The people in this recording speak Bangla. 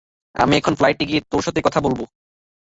আমি এখনি ফ্লাইটে গিয়ে তার সাথে কথা বলবো।